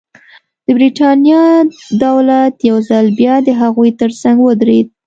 د برېټانیا دولت یو ځل بیا د هغوی ترڅنګ ودرېد.